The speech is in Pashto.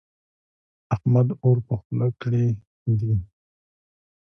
احمد اور په خوله کړې وړي.